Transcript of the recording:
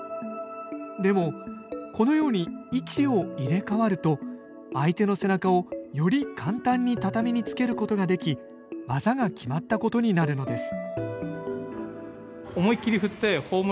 でも、このように位置を入れ代わると、相手の背中をより簡単に畳みにつけることができ、技が決まったことになるのです。